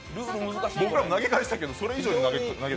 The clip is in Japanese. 僕らも投げてましたけど、それ以上に投げてました。